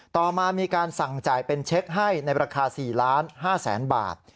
ต่อมามีการสั่งจ่ายเป็นเช็คให้ในราคา๔๕๐๐๐๐บาท